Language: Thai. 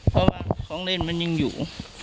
เพราะว่าของเล่นมันยังอยู่